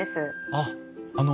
あっあの